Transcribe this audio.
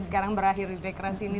sekarang berakhir di dekrasi ini